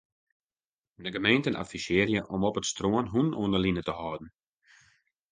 De gemeenten advisearje om op it strân hûnen oan 'e line te hâlden.